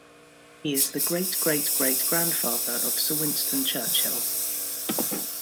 He is the great-great-great grandfather of Sir Winston Churchill.